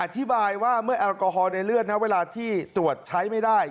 อธิบายว่าเมื่อแอลกอฮอลในเลือดนะเวลาที่ตรวจใช้ไม่ได้